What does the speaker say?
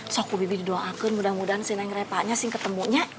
soko bibi didoakan mudah mudahan si neng refahnya sih ketemunya